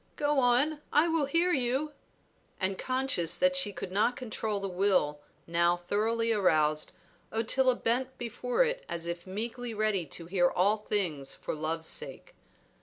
"Go on, I will hear you." And conscious that she could not control the will now thoroughly aroused, Ottila bent before it as if meekly ready to hear all things for love's sake.